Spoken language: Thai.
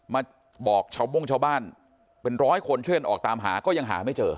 มาบอกชาวโบ้งชาวบ้านเป็นร้อยคนช่วยกันออกตามหาก็ยังหาไม่เจอ